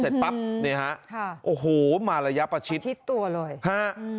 เสร็จปั๊บนี่ฮะค่ะโอ้โหมาระยะประชิดชิดตัวเลยฮะอืม